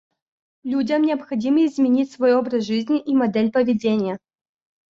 Людям необходимо изменить свой образ жизни и модель поведения.